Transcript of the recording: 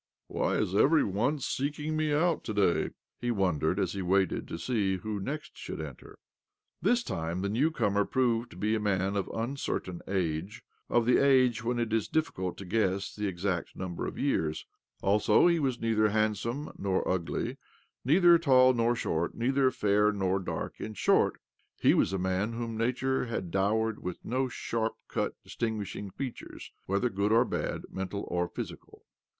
" Why is every one seeking me out to day? " he wondered as he waited to see who next should enter. This time the new comer proved to be a man of uncertain age— of the age when it is difficult to guess the exact number of years. Also, he was neither hand 44 OBLOMOV some nor ugly, neither tall nor short, neither fair nor dark. In short, he was a man whom Nature had dowered with no sharp cut, dis tinguishing features, whether good or bad, mental or physical.